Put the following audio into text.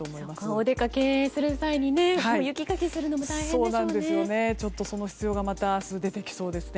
お出かけする際に雪かきするのも大変でしょうね。